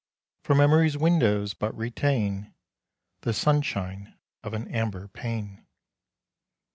For Memory's windows but retain The sunshine of an amber pane.